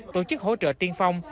tổ chức hỗ trợ tiên phong